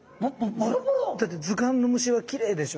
だって図鑑の虫はきれいでしょ？